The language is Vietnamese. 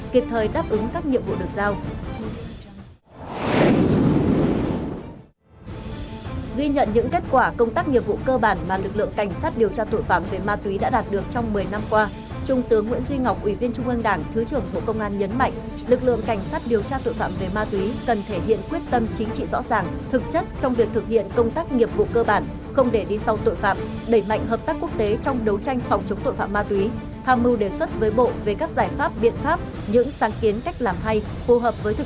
khi nhận những kết quả công tác nghiệp vụ cơ bản mà lực lượng cảnh sát điều tra tội phạm về ma túy đã đạt được trong một mươi năm qua trung tướng nguyễn duy ngọc ủy viên trung ương đảng thứ trưởng thủ công an nhấn mạnh lực lượng cảnh sát điều tra tội phạm về ma túy cần thể hiện quyết tâm chính trị rõ ràng thực chất trong việc thực hiện công tác nghiệp vụ cơ bản không để đi sau tội phạm đẩy mạnh hợp tác quốc tế trong đấu tranh phòng chống tội phạm ma túy tham mưu đề xuất với bộ về các giải pháp biện pháp những sáng kiến cách làm hay phù